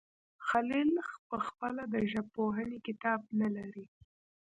خلیل پخپله د ژبپوهنې کتاب نه لري.